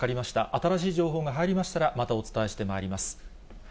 新しい情報が入りましたらまたお伝えしてまいります。